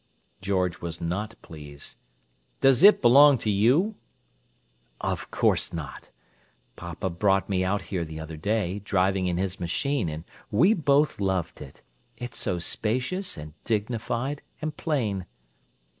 George was not pleased. "Does it belong to you?" "Of course not! Papa brought me out here the other day, driving in his machine, and we both loved it. It's so spacious and dignified and plain."